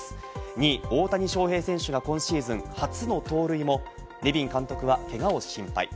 ２位、大谷翔平選手が今シーズン初の盗塁もネビン監督はけがを心配。